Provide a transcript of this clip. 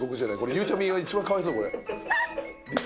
ゆうちゃみが一番かわいそう。